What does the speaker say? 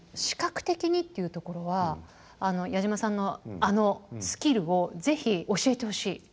「視覚的に」っていうところは矢島さんのあのスキルをぜひ教えてほしい。